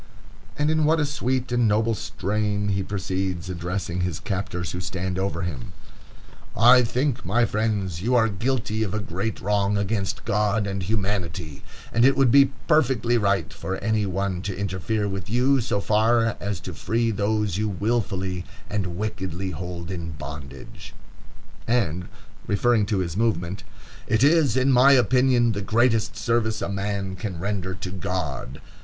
And in what a sweet and noble strain he proceeds, addressing his captors, who stand over him: "I think, my friends, you are guilty of a great wrong against God and humanity, and it would be perfectly right for any one to interfere with you so far as to free those you willfully and wickedly hold in bondage." And referring to his movement: "It is, in my opinion, the greatest service a man can render to God."